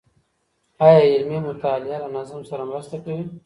آيا علمي مطالعه له نظم سره مرسته کوي؟